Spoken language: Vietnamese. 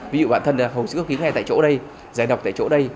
ví dụ bản thân là hồn sức cấp cứu ngay tại chỗ đây giải độc tại chỗ đây